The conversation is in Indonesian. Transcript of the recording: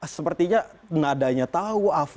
sepertinya nadanya tahu